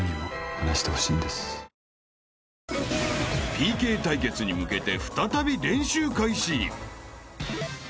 ［ＰＫ対決に向けて再び練習開始］